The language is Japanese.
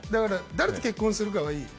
誰と結婚するかはいい。